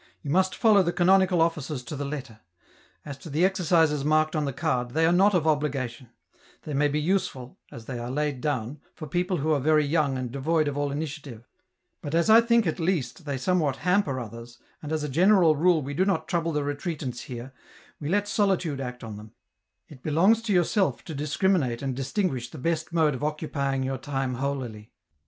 You must follow the canonical offices to the letter. As to the exercises marked on the card, they are not of obligation ; they may be useful, as they are laid down, for people who are very young and devoid of all initiative, but, as I think at least, they somewhat hamper others, and as a general rule we do not trouble the retreatants here, we let solitude act on them ; it belongs toyourself to discriminate and distinguish the best mode of occupying your time holily.